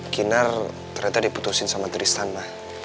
kinar ternyata diputusin sama tristan pak